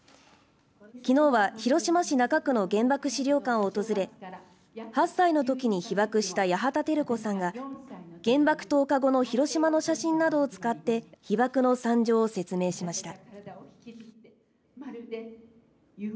きのうは広島市中区の原爆資料館を訪れ８歳のときに被爆した八幡照子さんが原爆投下後の広島の写真などを使って被爆の惨状を説明しました。